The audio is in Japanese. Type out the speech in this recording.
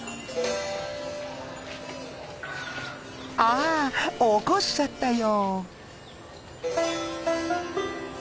あ起こしちゃったよ。